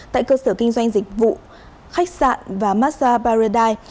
tại cơ sở kinh doanh dịch vụ khách sạn và massage paradise